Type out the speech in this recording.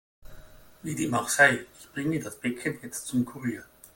Wie dem auch sei, ich bringe das Päckchen jetzt zum Kurier.